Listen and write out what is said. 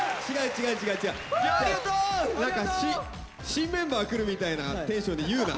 新メンバー来るみたいなテンションで言うな。